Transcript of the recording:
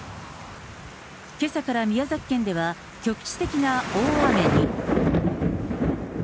けさから宮崎県では局地的な大雨に。